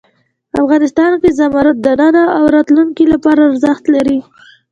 افغانستان کې زمرد د نن او راتلونکي لپاره ارزښت لري.